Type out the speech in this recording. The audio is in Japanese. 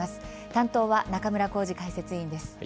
担当は中村幸司解説委員です。